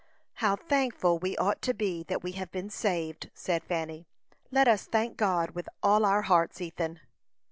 "How thankful we ought to be that we have been saved!" said Fanny. "Let us thank God with all our hearts, Ethan."